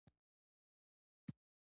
په آرشیف کې مې تر غرمې پورې تېره کړه.